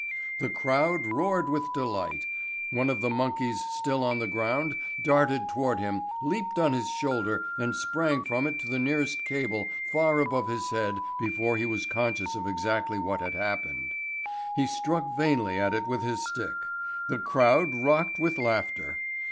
The crowd roared with delight. One of the monkeys still on the ground darted toward him, leaped on his shoulder and sprang from it to the nearest cable far above his head before he was conscious of exactly what had happened. He struck vainly at it with his stick. The crowd rocked with laughter.